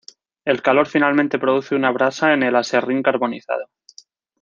El calor finalmente produce una brasa en el aserrín carbonizado.